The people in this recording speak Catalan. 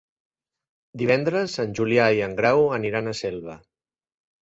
Divendres en Julià i en Grau aniran a Selva.